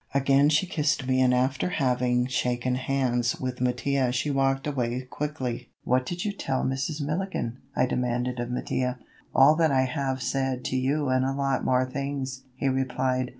Again she kissed me and after having shaken hands with Mattia she walked away quickly. "What did you tell Mrs. Milligan?" I demanded of Mattia. "All that I have said to you and a lot more things," he replied.